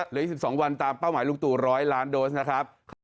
เหลืออีก๑๒วันตามเป้าหมายลุงตู่๑๐๐ล้านโดสนะครับ